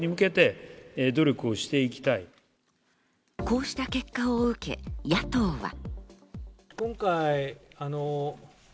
こうした結果を受け、野党は。